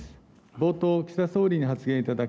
冒頭岸田総理に発言いただき